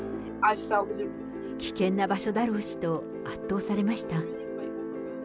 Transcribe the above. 危険な場所だろうしと、圧倒されました。